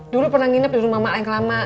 dulu pernah nginep di rumah mak lain kelama